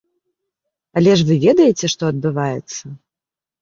Але ж вы ведаеце, што адбываецца!